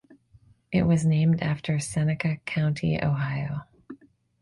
It was named after Seneca County, Ohio.